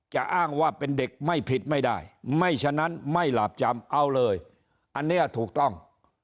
อ้างว่าเป็นเด็กไม่ผิดไม่ได้ไม่ฉะนั้นไม่หลาบจำเอาเลยอันนี้ถูกต้อง